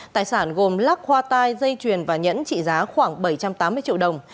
tài sản gồm lắc khoa tai dây chuyền và nhẫn trị giá khoảng bảy trăm tám mươi triệu đồng